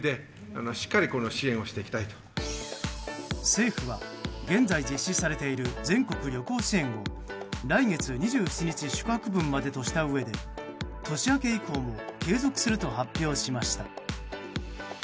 政府は現在、実施されている全国旅行支援を来月２７日宿泊分までとしたうえで年明け以降も継続すると発表しました。